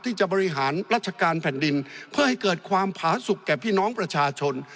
ที่จะบริหารราชการแผ่นดินเพื่อให้เกิดความผาสุขแก่พี่น้องประชาชน